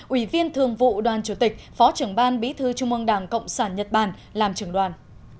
ủy viên thường vụ đoàn chủ tịch phó trưởng ban bí thư trung ương đảng cộng sản nhật bản làm trưởng đoàn